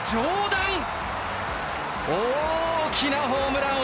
大きなホームラン。